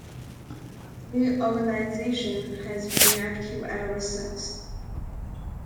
The organisation has been active ever since.